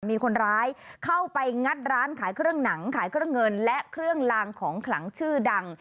มีคนร้ายเข้าไปงัดร้านขายเครื่องหนังขายเครื่องเงินและเครื่องลางของขลังชื่อดัง